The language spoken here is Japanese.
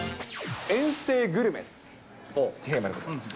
遠征グルメ、テーマでございます。